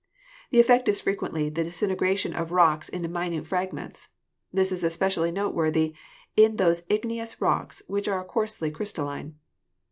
The effect is frequently the disintegration of rocks into minute frag ments. This is especially noteworthy in those igneous rocks which are coarsely crystalline.